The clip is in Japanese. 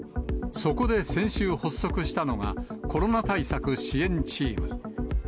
そこで先週発足したのが、コロナ対策支援チーム。